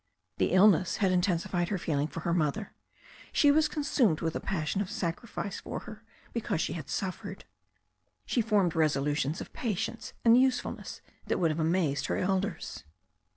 The illness had intensified her feeling for her mother. She was consumed with a passion of sacrifice for her be cause she had suffered. She formed resolutions of patience and usefulness that would have amazed her elders.